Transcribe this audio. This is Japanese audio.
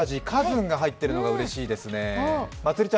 カズンが入っているのがうれしいですね。